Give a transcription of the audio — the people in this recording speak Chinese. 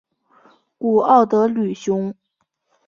古奥德吕雄。